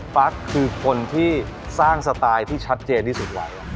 ฟักคือคนที่สร้างสไตล์ที่ชัดเจนที่สุดไว้